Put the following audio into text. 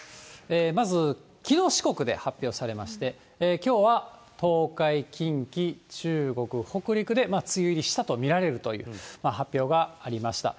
まず、きのう四国で発表されまして、きょうは東海、近畿、中国、北陸で梅雨入りしたと見られるという発表がありました。